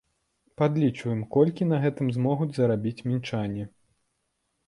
Падлічваем, колькі на гэтым змогуць зарабіць мінчане.